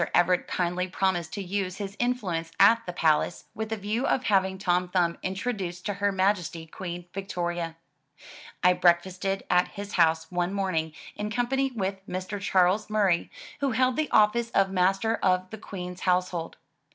Everett kindly promised to use his influence at the palace with a view of having Tom Thumb introduced to Her Majesty Queen Victoria. I breakfasted at his house one morning in com pany with Mr. Charles Murray, who held the office of Master of the Queen*s Household.